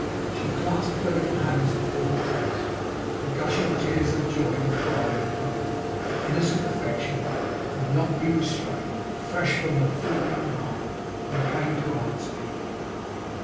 She clasped her little hands before her face. The gushing tears of joy, and pride, and hope, and innocent affection, would not be restrained. Fresh from her full young heart they came to answer him.